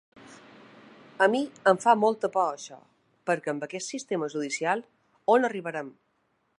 A mi em fa molta por això, perquè amb aquest sistema judicial, on arribarem?